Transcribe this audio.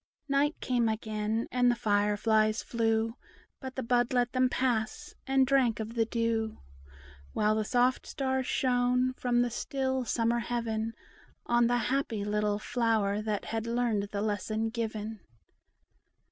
Night came again, and the fire flies flew; But the bud let them pass, and drank of the dew; While the soft stars shone, from the still summer heaven, On the happy little flower that had learned the lesson given.